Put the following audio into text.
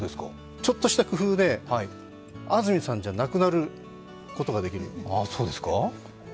ちょっとした工夫で、安住さんじゃなくなることができる。